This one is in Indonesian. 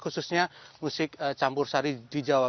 khususnya musik campur sari di jawa